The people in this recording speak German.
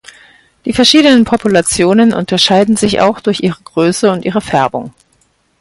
Die verschiedenen Populationen unterscheiden sich auch durch ihre Größe und ihre Färbung.